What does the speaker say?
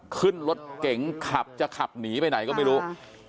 ขึ้นรถเก๋งขับจะขับหนีไปไหนก็ไม่รู้